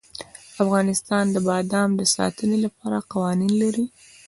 افغانستان د بادام د ساتنې لپاره قوانین لري.